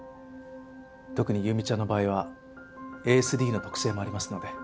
特に優実ちゃんの場合はＡＳＤの特性もありますので。